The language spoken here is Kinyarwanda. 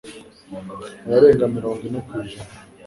abarenga mirongo ine kw'ijnaa